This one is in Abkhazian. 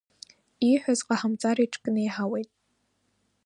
Ииҳәаз ҟаҳамҵар иҽкнеиҳауеит.